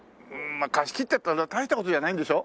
まあ貸し切ってっても大した事じゃないんでしょ？